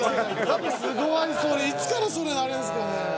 すごい！それいつからそれなれるんですかね。